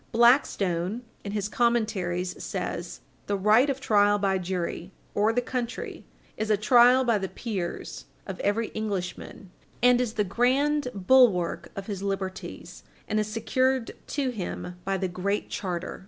Blackstone, in his Commentaries, says, "The right of trial by jury, or the country, is a trial by the peers of every Englishman, and is the grand bulwark of his liberties, and is secured to him by Page 100 U. S. 309 the Great Charter."